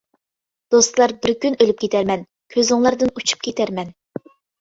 دوستلار بىر كۈن ئۆلۈپ كېتەرمەن، كۆزۈڭلاردىن ئۇچۇپ كېتەرمەن.